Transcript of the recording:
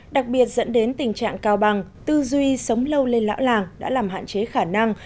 đặc biệt dẫn đến tình trạng cao bằng tư duy sống lâu lên lão làng đã làm hạn chế khả năng